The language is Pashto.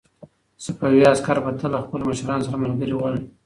صفوي عسکر به تل له خپلو مشرانو سره ملګري ول.